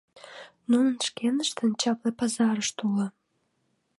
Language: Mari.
Нунын шкеныштын чапле пазарышт уло.